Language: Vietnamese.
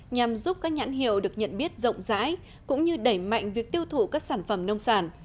nhằm giúp các nhãn hiệu được nhận biết rộng rãi cũng như đẩy mạnh việc tiêu thụ các sản phẩm nông sản